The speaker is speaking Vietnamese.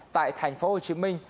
tại thành phố hồ chí minh